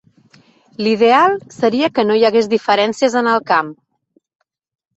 L'ideal seria que no hi hagués diferències en el camp.